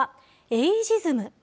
エイジズム。